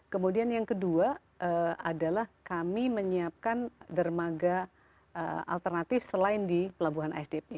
kemudian yang kedua adalah kami menyiapkan dermaga alternatif selain di pelabuhan asdp